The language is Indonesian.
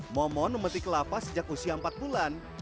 momon memetik kelapa sejak usia empat bulan